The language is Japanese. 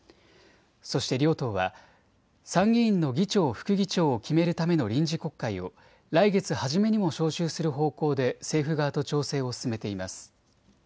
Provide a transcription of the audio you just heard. そして両党は参議院の議長・副議長を決めるための臨時国会を来月初めにも召集する方向で政府側と調整を進めています。